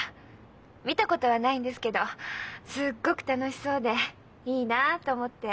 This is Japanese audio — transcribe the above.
見たことはないんですけどすっごく楽しそうでいいなあと思って。